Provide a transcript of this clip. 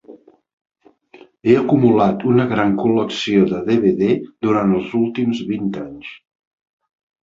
He acumulat una gran col·lecció de DVD durant els últims vint anys.